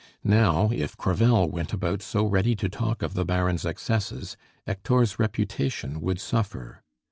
Now, if Crevel went about so ready to talk of the Baron's excesses, Hector's reputation would suffer.